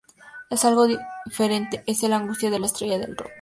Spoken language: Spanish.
Es algo diferente: es la angustia de la estrella del rock".